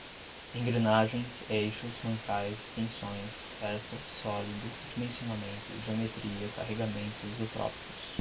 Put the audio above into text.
Engrenagens, eixos, mancais, tensões, peça, sólido, dimensionamento, geometria, carregamento, isotrópicos